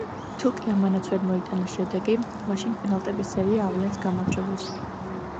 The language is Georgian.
თუკი ამანაც ვერ მოიტანა შედეგი, მაშინ პენალტების სერია ავლენს გამარჯვებულს.